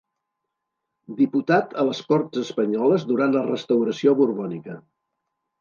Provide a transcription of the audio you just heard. Diputat a les Corts Espanyoles durant la restauració borbònica.